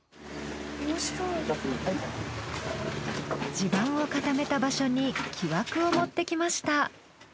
地盤を固めた場所に木枠を持ってきました。